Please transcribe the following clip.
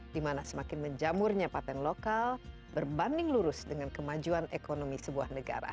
di mana semakin menjamurnya patent lokal berbanding lurus dengan kemajuan ekonomi sebuah negara